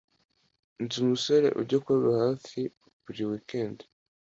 Nzi umusore ujya kuroba hafi buri wikendi.